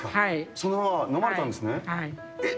そのままのまれたんですね？